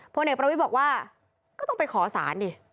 พนักประวิปบอกว่าก็ต้องไปขอสารนี่